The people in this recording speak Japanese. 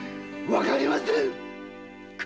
わかりませぬ！